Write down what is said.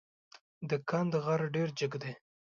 د کند غر ډېر جګ دی.